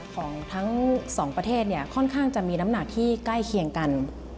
ของทั้งสองประเทศเนี่ยค่อนข้างจะมีน้ำหนักที่ใกล้เคียงกัน